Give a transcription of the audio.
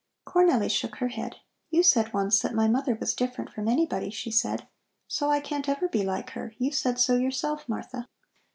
Cornelli shook her head. "You said once that my mother was different from anybody," she said. "So I can't ever be like her; you said so yourself, Martha."